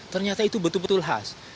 ternyata itu betul betul khas